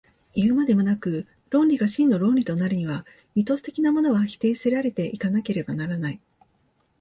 いうまでもなく、論理が真の論理となるには、ミトス的なものは否定せられて行かなければならない。